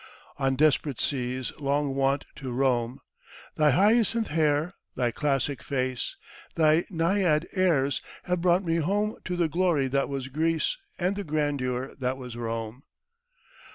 On desperate seas long wont to roam; Thy hyacinth hair, thy classic face, Thy Naiad airs, have brought me home To the glory that was Greece And the grandeur that was Rome.